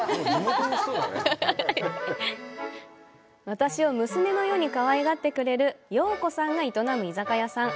私を娘のようにかわいがってくれる陽子さんが営む居酒屋さん。